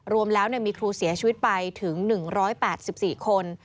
รวมแล้วมีครูเสียชีวิตไปถึง๑๘๔คน